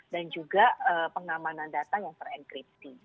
dan juga pengamanan data yang terenkripsi